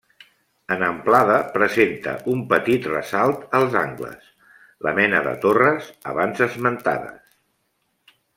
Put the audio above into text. En amplada, presenta un petit ressalt als angles –la mena de torres abans esmentades-.